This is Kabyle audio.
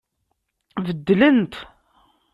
Beddlent.